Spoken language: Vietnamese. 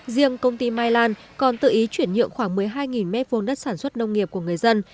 riêng công ty mai lan còn tự ý chuyển nhượng khoảng một mươi hai m hai đất sản xuất nông nghiệp của người dân